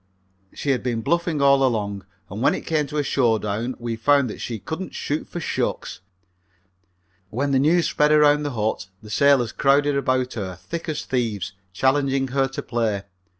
She had been bluffing all along, and when it came to a showdown we found that she couldn't shoot for shucks. When the news spread around the hut the sailors crowded about her thick as thieves, challenging her to play.